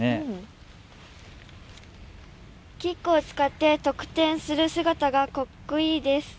キックを使って得点する姿がかっこいいです。